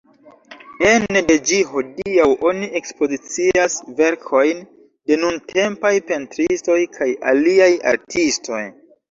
Ene de ĝi hodiaŭ oni ekspozicias verkojn de nuntempaj pentristoj kaj aliaj artistoj.